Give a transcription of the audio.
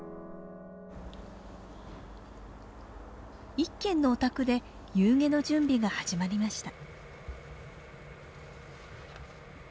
一軒のお宅で夕げの準備が始まりました。